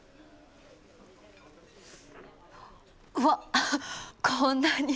うわこんなに！